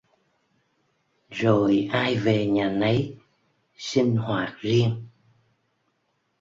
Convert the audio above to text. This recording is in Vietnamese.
Rồi ai về nhà nấy sinh hoạt riêng